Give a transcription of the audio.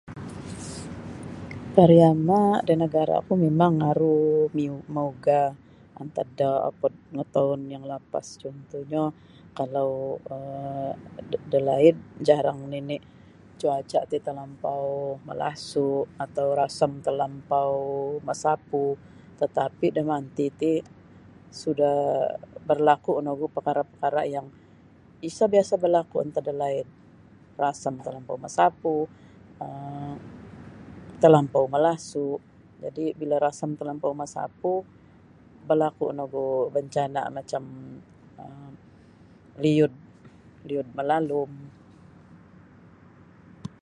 Pariama da nagara ku mimang aru miu-mauga antad da opod ngatoun lapas contohnyo kalau um dalaid jarang nini cuaca ti talampau malasu atau rasam talampau masapu tetapi da manti ti ti suda barlaku no gu perkara-perkara yang isa biasa berlaku antas dalaid rasam talampau masapu um talampau malasu jadi bila rasam talampau masapu balaku no gu bancana macam um liud liud malalum.